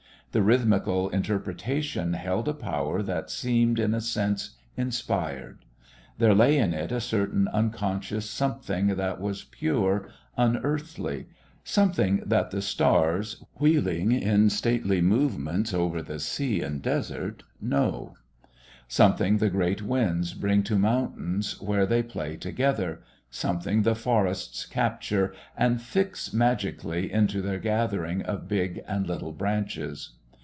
The rhythmical interpretation held a power that seemed, in a sense, inspired; there lay in it a certain unconscious something that was pure, unearthly; something that the stars, wheeling in stately movements over the sea and desert know; something the great winds bring to mountains where they play together; something the forests capture and fix magically into their gathering of big and little branches.